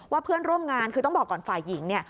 เพื่อนร่วมงานคือต้องบอกก่อนฝ่ายหญิงเนี่ย